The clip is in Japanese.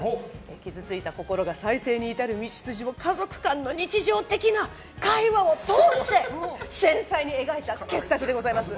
傷ついた心が再生に至る道筋を家族間の日常的な会話を通して繊細に描いた傑作です。